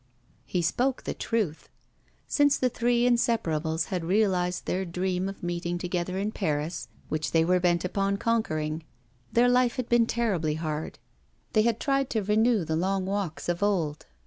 He spoke the truth. Since the three inseparables had realised their dream of meeting together in Paris, which they were bent upon conquering, their life had been terribly hard. They had tried to renew the long walks of old.